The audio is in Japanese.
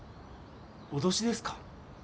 脅しですか？